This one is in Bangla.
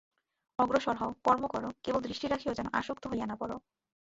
অগ্রসর হও, কর্ম কর, কেবল দৃষ্টি রাখিও যেন আসক্ত হইয়া না পড়।